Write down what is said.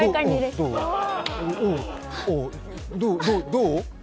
どう？